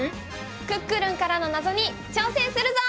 クックルンからのナゾに挑戦するぞ！